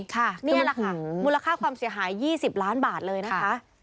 นี่แหละค่ะมูลค่าความเสียหาย๒๐ล้านบาทเลยนะคะ